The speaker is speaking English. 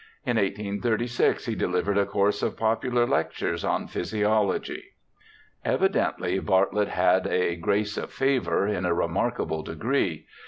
In 1836 he delivered a course of popular lectures on physiology. Evidently Bartlett had the ' grace of favour ' in a re markable degree.